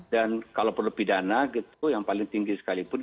dan kalau perlu pidana gitu yang paling tinggi sekalipun